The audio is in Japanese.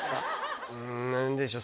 ん何でしょう